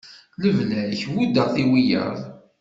Lebla-k buddeɣ-t i wiyyaḍ.